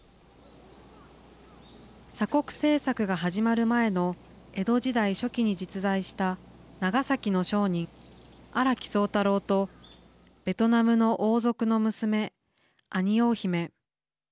鎖国政策が始まる前の江戸時代初期に実在した長崎の商人、荒木宗太郎とベトナムの王族の娘アニオー姫。